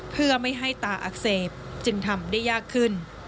เพื่อไม่ให้ตาอักเสบจึงทำได้ยากขึ้น